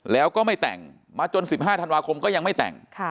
แล้วก็ไม่แต่งมาจน๑๕ธันวาคมก็ยังไม่แต่ง